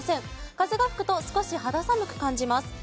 風が吹くと少し肌寒く感じます。